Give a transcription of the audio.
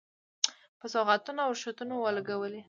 په سوغاتونو او رشوتونو ولګولې.